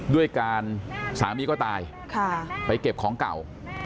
ด้วยการสามีก็ตายไปเก็บของเก่า